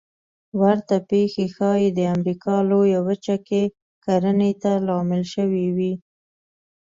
ورته پېښې ښایي د امریکا لویه وچه کې کرنې ته لامل شوې وي